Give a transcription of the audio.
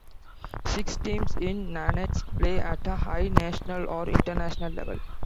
Six teams in Nantes play at a high national or international level.